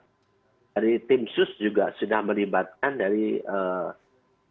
ya saya yakin bahwa dari tim sus juga sudah melibatkan dari tim sus